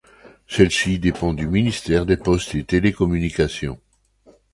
Celle-ci dépend du ministère des Postes et Télécommunications.